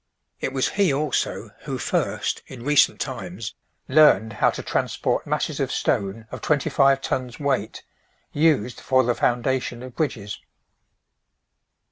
It was he also who first, in recent times, learned how to transport masses of stone of twenty five tons weight, used for the foundation of bridges.